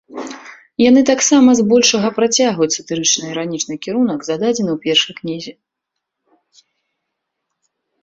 Яны таксама збольшага працягваюць сатырычна-іранічны кірунак, зададзены ў першай кнізе.